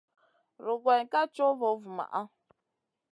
Rugayn ká co vo vumaʼa.